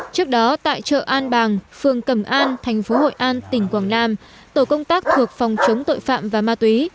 trước đó tại chợ an bàng phường cầm an tp hội an tỉnh quảng nam tổ công tác thuộc phòng chống tội phạm và ma túy